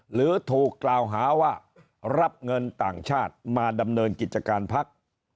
หรือถูกกล่าวหาว่ารับเงินต่างชาติมาดำเนินกิจการพัก